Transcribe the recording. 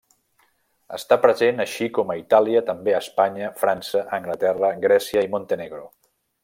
Està present així com a Itàlia, també a Espanya, França, Anglaterra, Grècia i Montenegro.